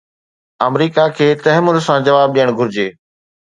آمريڪا کي تحمل سان جواب ڏيڻ گهرجي.